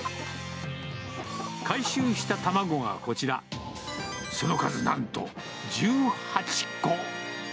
回収した卵がこちら、その数、なんと１８個。